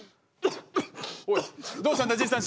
おいどうしたんだじいさん！